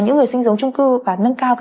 những người sinh giống trung cư và nâng cao